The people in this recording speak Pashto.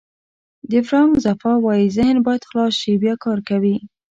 فرانک زفا وایي ذهن باید خلاص شي بیا کار کوي.